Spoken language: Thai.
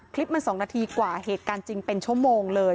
คลิปมัน๒นาทีกว่าเหตุการณ์จริงเป็นชั่วโมงเลย